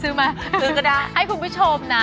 ซื้อมาซื้อก็ได้ให้คุณผู้ชมนะ